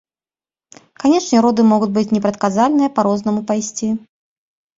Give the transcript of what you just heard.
Канечне, роды могуць быць непрадказальныя, па рознаму пайсці.